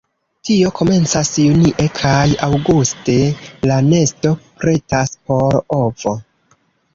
Tio komencas junie kaj aŭguste la nesto pretas por ovo.